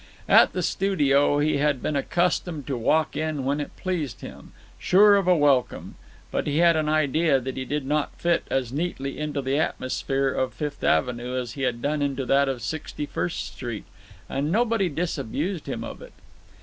At the studio he had been accustomed to walk in when it pleased him, sure of a welcome; but he had an idea that he did not fit as neatly into the atmosphere of Fifth Avenue as he had done into that of Sixty First Street; and nobody disabused him of it.